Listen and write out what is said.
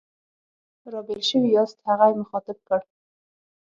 را بېل شوي یاست؟ هغه یې مخاطب کړ.